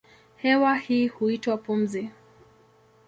Hewa hii huitwa pumzi.